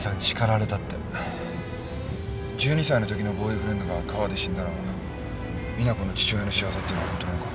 １２歳のときのボーイフレンドが川で死んだのは実那子の父親の仕業っていうのは本当なのか？